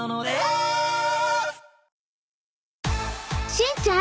しんちゃん